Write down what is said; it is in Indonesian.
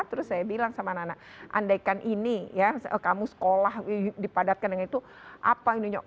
terus saya bilang sama anak anak andaikan ini ya kamu sekolah dipadatkan dengan itu apa ininya